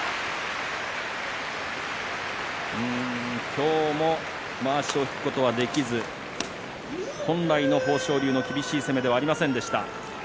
今日もまわしを引くことができず本来の豊昇龍の厳しい攻めではありませんでした。